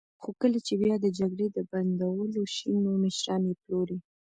خو کله چې بیا د جګړې د بندولو شي، نو مشران یې پلوري.